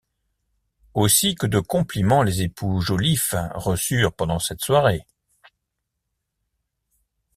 Aussi que de compliments les époux Joliffe reçurent pendant cette soirée!